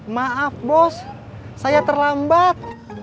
maaf bos saya terlambat